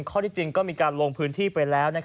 ข้อที่จริงก็มีการลงพื้นที่ไปแล้ว